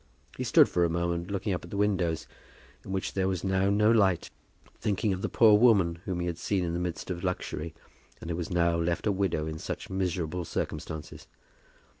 He stood for a moment looking up at the windows, in which there was now no light, thinking of the poor woman whom he had seen in the midst of luxury, and who was now left a widow in such miserable circumstances!